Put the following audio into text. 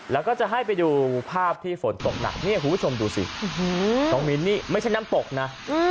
แล้วก็จะให้ไปดูภาพที่ฝนตกหนักเนี่ยคุณผู้ชมดูสิน้องมิ้นนี่ไม่ใช่น้ำตกนะ